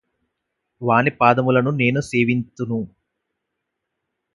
వాని పాదములను నేను సేవింతును